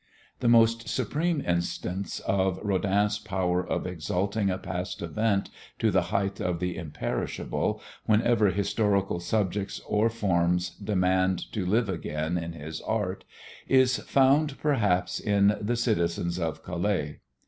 The most supreme instance of Rodin's power of exalting a past event to the height of the imperishable, whenever historical subjects or forms demand to live again in his art, is found perhaps in "The Citizens of Calais."